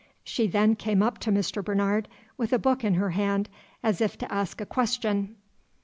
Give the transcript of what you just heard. She then came up to Mr. Bernard, with a book in her hand, as if to ask a question.